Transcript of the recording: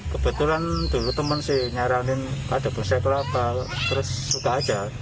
kebetulan dulu teman sih nyaranin ada bursa kelapa terus suka aja